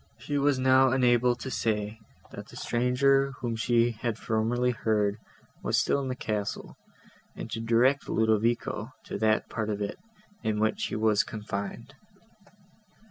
She was now enabled to say, that the stranger, whom she had formerly heard, was still in the castle, and to direct Ludovico to that part of it, in which he was confined.